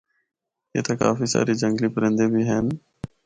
اِتھا کافی سارے جنگلی پرندے بھی ہن۔